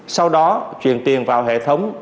sau đó truyền tiền vào hệ thống